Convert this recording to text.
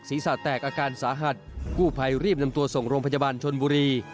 ศีรษะแตกอาการสาหัสกู้ภัยรีบนำตัวส่งโรงพยาบาลชนบุรี